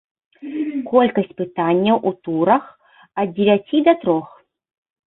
Колькасць пытанняў у турах ад дзевяці да трох.